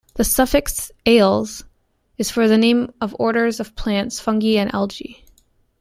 The suffix "-ales" is for the name of orders of plants, fungi, and algae.